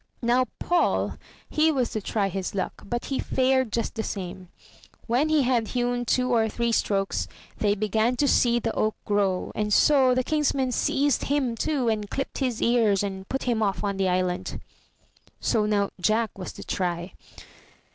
Now Paul, he was to try his luck, but he fared just the same; when he had hewn two or three strokes, they began to see the oak grow, and so the King's men seized him too, and clipped his ears, and put him off on the island. So now Jack was to try.